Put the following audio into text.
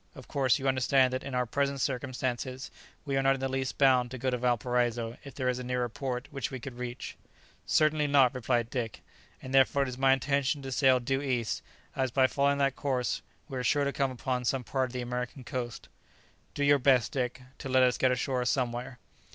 "Of course you understand that in our present circumstances we are not in the least bound to go to Valparaiso if there is a nearer port which we could reach." "Certainly not," replied Dick; "and therefore it is my intention to sail due east, as by following that course we are sure to come upon some part of the American coast." [Illustration: "Oh, we shall soon be on shore!"] "Do your best, Dick, to let us get ashore somewhere."